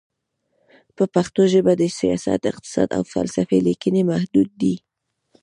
په پښتو ژبه د سیاست، اقتصاد، او فلسفې لیکنې محدودې دي.